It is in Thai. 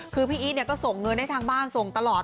คือพี่อีทก็ส่งเงินให้ทางบ้านส่งตลอด